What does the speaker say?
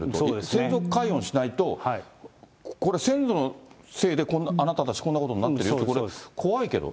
先祖解怨しないと、これ、先祖のせいであなたたちこんなことになってるよって、怖いけど。